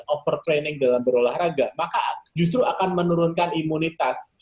over training dalam berolahraga maka justru akan menurunkan imunitas